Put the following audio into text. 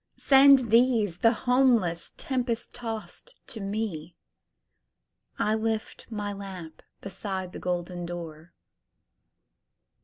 Send these, the homeless, tempest tost to me,I lift my lamp beside the golden door!"